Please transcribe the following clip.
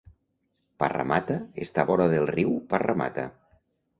Parramatta està vora del Riu Parramatta.